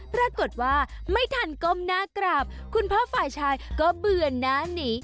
ไม่ทันก้มหน้ากราบคุณพ่อฝ่ายชายก็เบื่อหน้าหนี